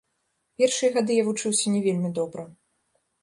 Першыя гады я вучыўся не вельмі добра.